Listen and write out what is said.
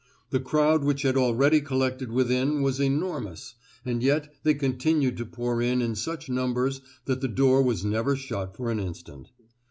The crowd which had already collected within was enormous, and yet they continued to pour in in such numbers that the door was never shut for an instant.